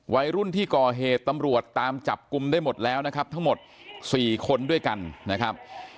วัยรุ่นที่ก่อเหตุตำรวจตามจับกลุ่มได้หมดแล้วนะครับทั้งหมด๔คนด้วยกันนะครับ